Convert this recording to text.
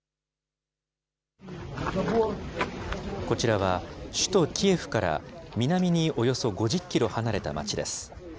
こちらは、首都キエフから南におよそ５０キロ離れた町です。